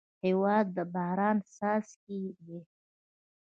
هېواد د باران څاڅکی دی.